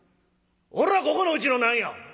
「おらここのうちの何や？」。